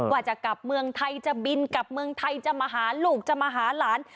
ว่าจะกลับเมืองไทยจะบินกลับเมืองไทยจะมาหาลูกจะมาหาหลาน